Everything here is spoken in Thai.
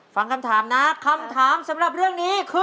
ฟังคำถามนะคำถามสำหรับเรื่องนี้คือ